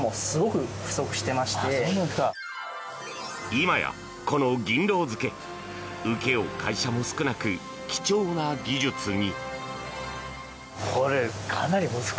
今や、この銀ロウ付け請け負う会社も少なく貴重な技術に。